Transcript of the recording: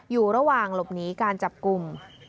อยู่ระหว่างหลบหนีการจับกลุ่ม